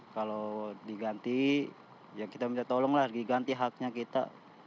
kalau diganti ya kita minta tolonglah diganti haknya kita